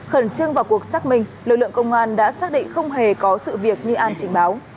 khẩn trương vào cuộc xác minh lực lượng công an đã xác định không hề có sự việc như an trình báo